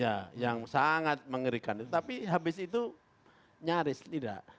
ya yang sangat mengerikan tetapi habis itu nyaris tidak